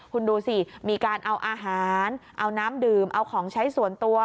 คุณดูสิมีการเอาอาหารเอาน้ำดื่มเอาของใช้ส่วนตัว